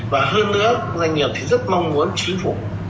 và hơn nữa doanh nghiệp thì rất mong muốn chí phụ